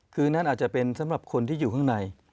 คือนั่นอาจจะเป็นสำหรับคนที่อยู่ข้างใน